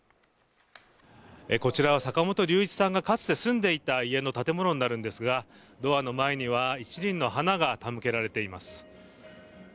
こちらは坂本龍一さんがかつて住んでいた家の建物になるんですが、ドアの前には一輪の花が手向けられています。